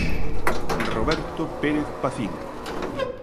Roberto Pérez Pacín.